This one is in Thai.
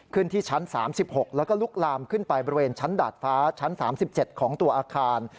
ที่ชั้น๓๖แล้วก็ลุกลามขึ้นไปบริเวณชั้นดาดฟ้าชั้น๓๗ของตัวอาคาร